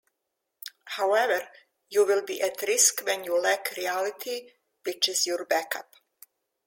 However, you will be at risk when you lack reality which is your back-up.